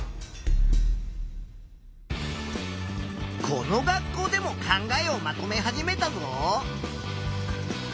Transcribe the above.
この学校でも考えをまとめ始めたぞ。